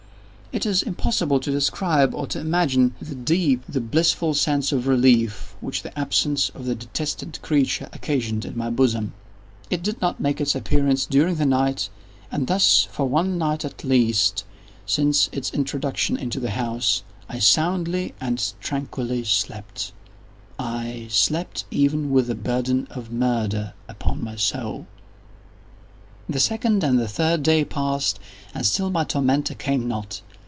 It is impossible to describe, or to imagine, the deep, the blissful sense of relief which the absence of the detested creature occasioned in my bosom. It did not make its appearance during the night; and thus for one night at least, since its introduction into the house, I soundly and tranquilly slept; aye, slept even with the burden of murder upon my soul! The second and the third day passed, and still my tormentor came not.